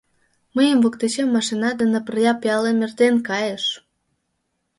Мыйын воктечем машина дене пырля пиалем эртен кайыш!